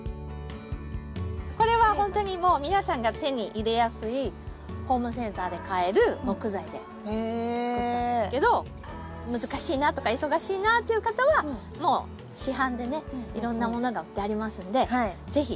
これはほんとにもう皆さんが手に入れやすいホームセンターで買える木材で作ったんですけど難しいなとか忙しいなっていう方はもう市販でねいろんなものが売ってありますので是非